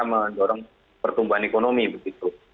mendorong pertumbuhan ekonomi begitu